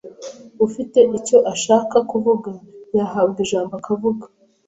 ufite icyo ashaka kuvuga yahabwaga ijambo akavuga